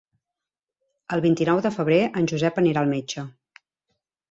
El vint-i-nou de febrer en Josep anirà al metge.